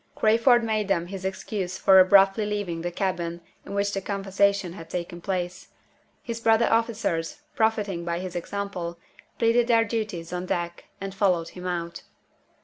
Crayford made them his excuse for abruptly leaving the cabin in which the conversation had taken place. His brother officers, profiting by his example, pleaded their duties on deck, and followed him out.